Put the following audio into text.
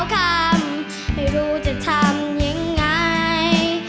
คำไม่รู้จะทำยังไง